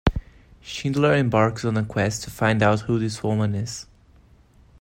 Schindler embarks on a quest to find out who this woman is.